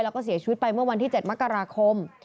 แล้วก็เสียชีวิตไปเมื่อวันที่๗มกราคม